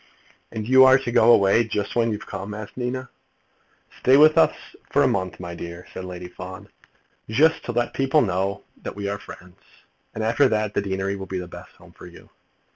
"And you are to go away just when you've come?" asked Nina. "Stay with us a month, my dear," said Lady Fawn, "just to let people know that we are friends, and after that the deanery will be the best home for you."